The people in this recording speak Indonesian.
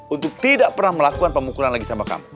untuk tidak pernah melakukan pemukulan lagi sama kamu